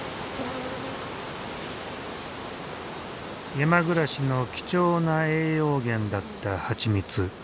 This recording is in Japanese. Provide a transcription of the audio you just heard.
山暮らしの貴重な栄養源だった蜂蜜。